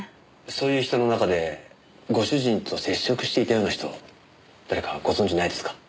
そういう人の中でご主人と接触していたような人誰かご存じないですか？